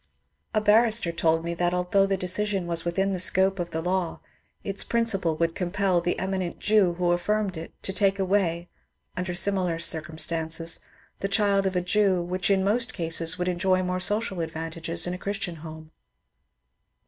A barrister told me that although the decision was within the scope of the law, its principle would compel the eminent Jew who affirmed it to take away, under similar cir YOL. n 290 MONCURE DANIEL CONWAY cumstances, the child of a Jew, which in most cases would enjoy more social advantages in a Christian home.